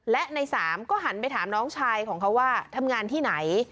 และในสามก็หันไปถามน้องชายของเขาว่าทำงานที่ไหน